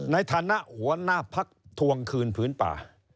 ในฐานะหัวหน้าพักทวงคืนผืนป่า